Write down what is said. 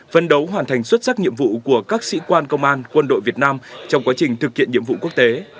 phân đấu hoàn thành xuất sắc nhiệm vụ của các sĩ quan công an quân đội việt nam trong quá trình thực hiện nhiệm vụ quốc tế